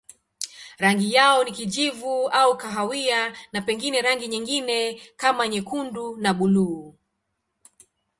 Rangi yao ni kijivu au kahawia na pengine rangi nyingine kama nyekundu na buluu.